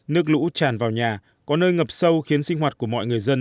nước lũ tràn vào nhà có nơi ngập sâu khiến sinh hoạt của mọi người dân